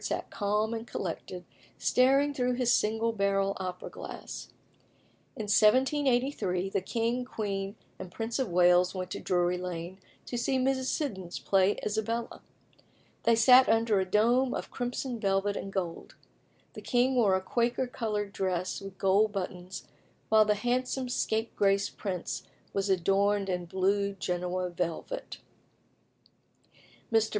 sat calm and collected, staring through his single barrel opera glass. In 1783 the king, queen, and Prince of Wales went to Drury Lane to see Mrs. Siddons play Isabella. They sat under a dome of crimson velvet and gold. The king wore a Quaker coloured dress with gold buttons, while the handsome scapegrace prince was adorned in blue Genoa velvet. Mr.